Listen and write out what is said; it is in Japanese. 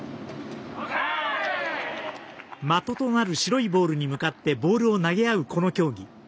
的となる白いボールに向かってボールを投げ合う、この競技。